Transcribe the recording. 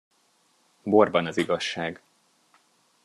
Borban az igazság.